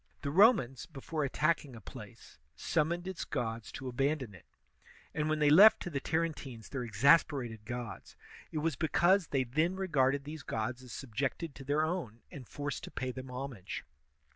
The Romans, before attack ing a place, summoned its gods to abandon it; and when they left to the Tarentines their exasperated gods, it was because they then regarded these gods as subjected to their own and forced to pay them homage.